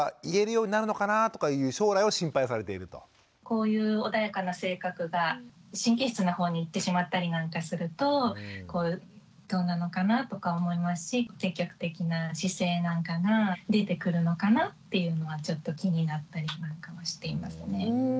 こういう穏やかな性格が神経質な方にいってしまったりなんかするとどうなのかなとか思いますし積極的な姿勢なんかが出てくるのかなっていうのがちょっと気になったりなんかはしていますね。